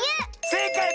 せいかい！